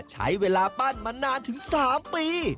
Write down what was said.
ใช้เวลาปั้นมานานถึง๓ปี